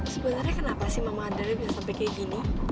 sebenernya kenapa sih mama adriana bisa sampai kayak gini